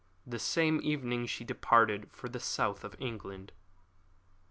The same evening she departed for the south of England.